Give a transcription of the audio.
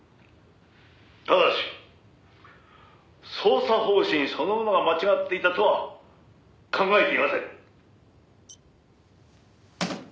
「ただし捜査方針そのものが間違っていたとは考えていません」